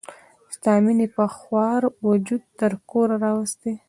ستا مینې په خوار وجود تر کوره راوستي.